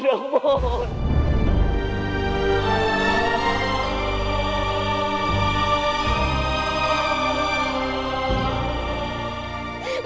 ibu dia aku mohon